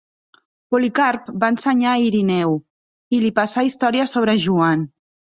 Policarp va ensenyar Ireneu, i li passà històries sobre Joan.